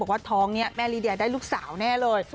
ว่าท้องนี้แม่ลีเดียได้ลูกสาวแน่เลย